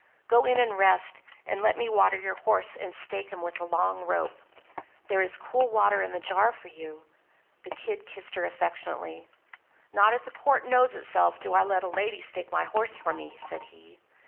Go in and rest, and let me water your horse and stake him with the long rope. There is cool water in the jar for you." The Kid kissed her affectionately. "Not if the court knows itself do I let a lady stake my horse for me," said he.